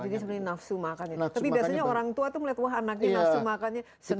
tapi biasanya orang tua tuh melihat wah anaknya nafsu makan ya senang